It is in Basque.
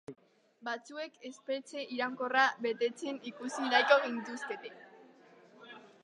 Batzuek espetxe iraunkorra betetzen ikusi nahiko gintuzkete!